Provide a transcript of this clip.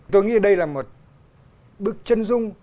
tôi nghĩ đây là một bức chân dung